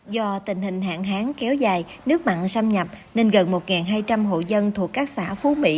do tình hình hạn hán kéo dài nước mặn xâm nhập nên gần một hai trăm linh hộ dân thuộc các xã phú mỹ